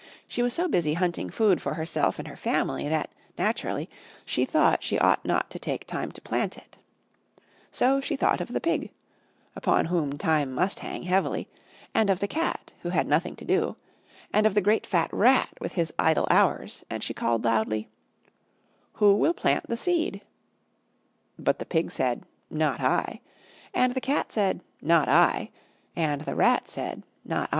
She was so busy hunting food for herself and her family that, naturally, she thought she ought not to take time to plant it. So she thought of the Pig upon whom time must hang heavily and of the Cat who had nothing to do, and of the great fat Rat with his idle hours, and she called loudly: "Who will plant the Seed?" But the Pig said, "Not I," and the Cat said, "Not I," and the Rat said, "Not I."